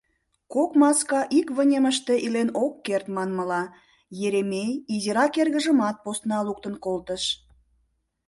Кок маска ик вынемыште илен ок керт, манмыла, Еремей изирак эргыжымат посна луктын колтыш.